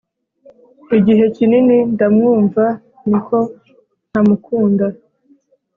igihe kinini ndamwumva, niko ntamukunda.